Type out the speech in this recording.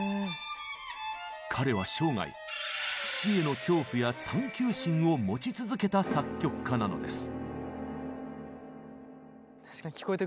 彼は生涯「死」への恐怖や探求心を持ち続けた作曲家なのです。